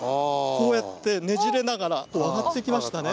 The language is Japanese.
こうやってねじれながら上がってきましたね。